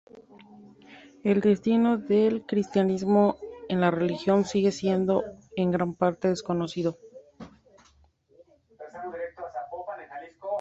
El destino del cristianismo en la región sigue siendo en gran parte desconocido.